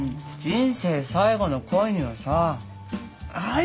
人生最後の恋にはさああ